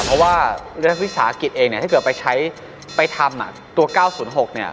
เพราะว่ารัฐวิสาหกิจเองเนี่ยถ้าเกิดไปใช้ไปทำตัว๙๐๖เนี่ย